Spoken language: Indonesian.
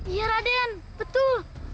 iya raden betul